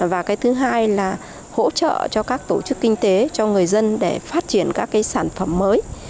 và cái thứ hai là hỗ trợ cho các tổ chức kinh tế cho người dân để phát triển các cái sản phẩm mới